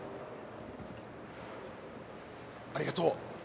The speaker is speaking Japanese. ありがとう。